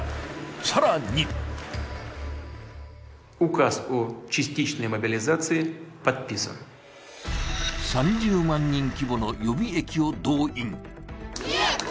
更に３０万人規模の予備役を動員。